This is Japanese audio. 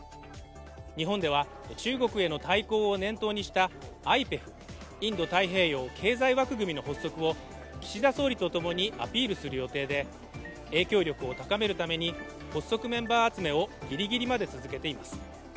日本では中国への対抗を念頭にしたＩＰＥＦ＝インド太平洋経済枠組みの発足を岸田総理とともにアピールする予定で影響力を高めるために発足メンバー集めをぎりぎりまで続けています。